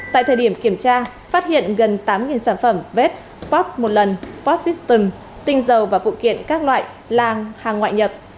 tại thời điểm kiểm tra phát hiện gần tám sản phẩm vết bóp một lần bóp xích tùm tinh dầu và phụ kiện các loại làng hàng ngoại nhập